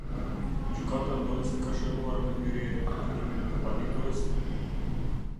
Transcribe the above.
Gjykata ndonëse ka shënuar në hyrje emërtimin e të paditurës.